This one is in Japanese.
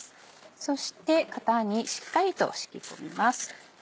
そして型にしっかりと敷き込みます。